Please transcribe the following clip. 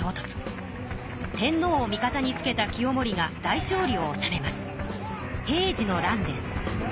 天皇を味方につけた清盛が大勝利をおさめます。